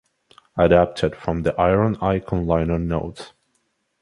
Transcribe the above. Adapted from "The Iron Icon" liner notes.